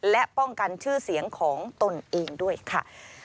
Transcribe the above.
และป้องกันชื่อเสียงของตนเองด้วยค่ะ